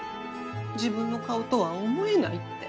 自分の顔とは思えないって。